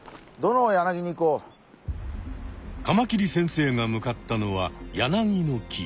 カマキリ先生が向かったのはヤナギの木。